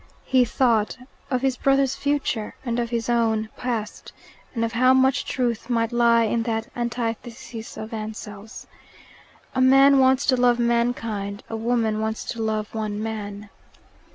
He thought of his brother's future and of his own past, and of how much truth might lie in that antithesis of Ansell's: "A man wants to love mankind, a woman wants to love one man."